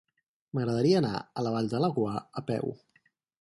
M'agradaria anar a la Vall de Laguar a peu.